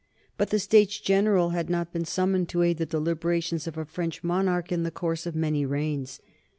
But the States General had not been summoned to aid the deliberations of a French monarch in the course of many reigns.